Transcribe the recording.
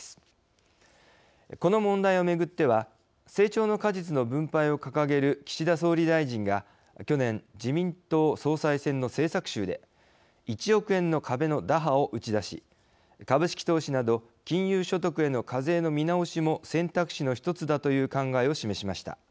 この問題を巡っては成長の果実の分配を掲げる岸田総理大臣が去年自民党総裁選の政策集で１億円の壁の打破を打ち出し株式投資など金融所得への課税の見直しも選択肢の一つだという考えを示しました。